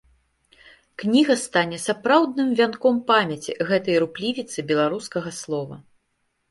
Кніга стане сапраўдным вянком памяці гэтай руплівіцы беларускага слова.